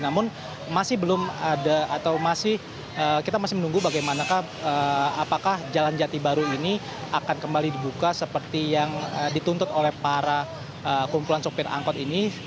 namun masih belum ada atau masih kita masih menunggu bagaimana apakah jalan jati baru ini akan kembali dibuka seperti yang dituntut oleh para kumpulan sopir angkot ini